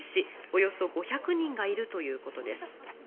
およそ５００人がいるということです。